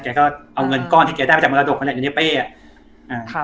ไอ้แจ๊กก็เอาเงินกล้อนที่ไอ้แจ๊กได้ไปจากมรดกไงแหละ๑๐เส้น